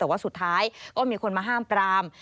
แต่ว่าสุดท้ายก็มีคนมาห้ามปราม